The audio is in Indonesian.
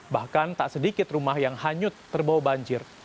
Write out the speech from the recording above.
bahkan tak sedikit rumah yang hanyut terbawa banjir